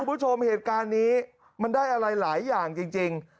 คุณผู้ชมเหตุการณ์นี้มันได้อะไรหลายอย่างจริง